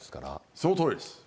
そのとおりです。